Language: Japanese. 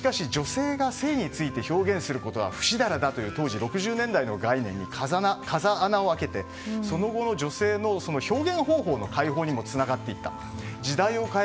しかし、女性が性について表現することはふしだらだという６０年代当時に風穴を開けて、その後の女性の表現方法の解放にもつながっていった。